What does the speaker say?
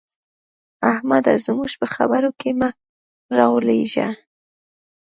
احمده! زموږ په خبرو کې مه رالوېږه.